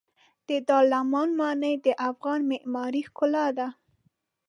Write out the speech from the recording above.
د دارالامان ماڼۍ د افغان معمارۍ ښکلا ده.